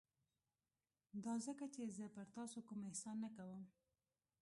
دا ځکه چې زه پر تاسو کوم احسان نه کوم.